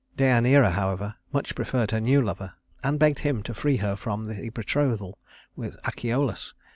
Deïaneira, however, much preferred her new lover, and begged him to free her from the betrothal with Achelous.